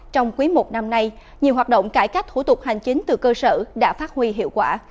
trong quý một năm nay nhiều hoạt động cải cách thủ tục hành chính từ cơ sở đã phát huy hiệu quả